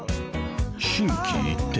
［心機一転